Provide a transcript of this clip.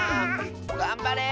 がんばれ！